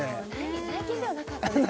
内見ではなかったですね